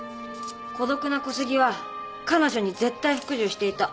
孤独な小杉は彼女に絶対服従していた。